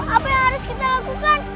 apa yang harus kita lakukan